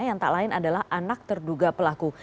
yang tak lain adalah anak terduga pelaku